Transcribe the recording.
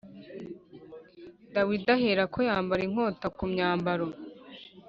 Dawidi aherako yambara inkota ku myambaro